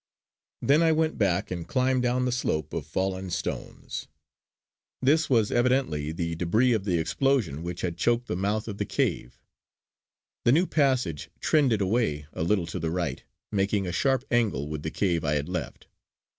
Then I went back again and climbed down the slope of fallen stones; this was evidently the debris of the explosion which had choked the mouth of the cave. The new passage trended away a little to the right, making a sharp angle with the cave I had left.